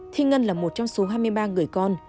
thi ngân là một trong số hai mươi ba người con